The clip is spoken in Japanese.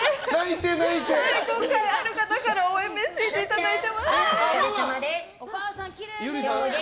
今回、ある方から応援メッセージをいただいています。